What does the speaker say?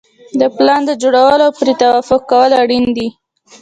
د پلان جوړول او پرې توافق کول اړین دي.